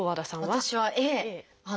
私はＡ。